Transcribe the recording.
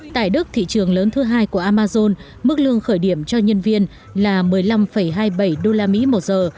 tại đức thị trường lớn thứ hai của amazon mức lương khởi điểm cho nhân viên là một mươi năm hai mươi bảy usd một giờ